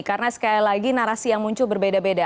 karena sekali lagi narasi yang muncul berbeda beda